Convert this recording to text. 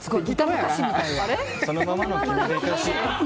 そのままの君で。